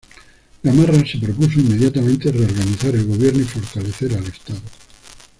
Gamarra se propuso inmediatamente reorganizar el gobierno y fortalecer al estado.